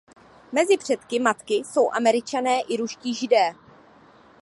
Mezi předky matky jsou Američané i ruští Židé.